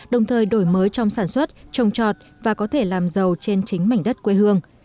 đồng thời đổi mới trong sản xuất trồng trọt và có thể làm giàu trên chính mảnh đất quê hương